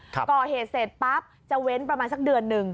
ก่อเหตุเสร็จปั๊บจะเว้นประมาณสักเดือนหนึ่ง